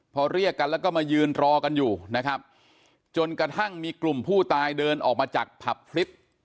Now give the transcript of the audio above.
พอเรียกกันแล้วก็มายืนรอกันอยู่นะครับจนกระทั่งมีกลุ่มผู้ตายเดินออกมาจากผับคลิป